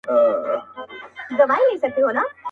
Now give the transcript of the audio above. هره ورځ به درلېږي سل رحمتونه.!